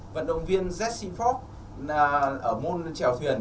vận động viên jesse fox ở môn chèo thuyền